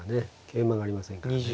桂馬がありませんからね。